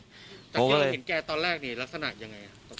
แต่เกลียวเห็นแกตอนแรกนี่ลักษณะยังไงอ่ะ